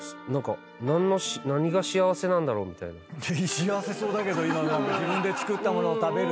幸せそうだけど自分で作った物を食べるって。